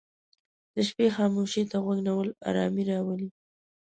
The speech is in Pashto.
د شپې خاموشي ته غوږ نیول آرامي راولي.